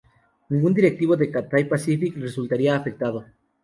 Ningún directivo de Cathay Pacific resultaría afectado.